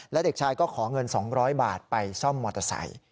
และเด็กชายก็ขอเงิน๒๐๐บาทไปซ่อมมอเตอร์ไซค์